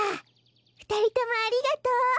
ふたりともありがとう。